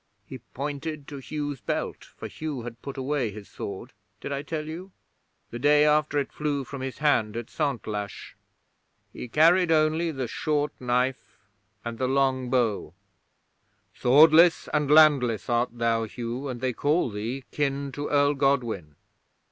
He pointed to Hugh's belt, for Hugh had put away his sword did I tell you? the day after it flew from his hand at Santlache. He carried only the short knife and the long bow. "Swordless and landless art thou, Hugh; and they call thee kin to Earl Godwin."